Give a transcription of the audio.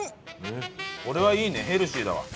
これはいいねヘルシーだわ。